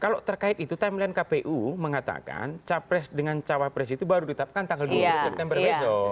kalau terkait itu timeline kpu mengatakan capres dengan cawapres itu baru ditapkan tanggal dua puluh september besok